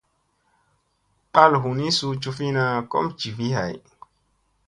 Mɓal hunii suu cufina kom jivi hay.